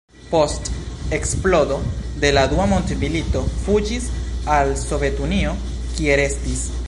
Post eksplodo de la dua mondmilito fuĝis al Sovetunio, kie restis.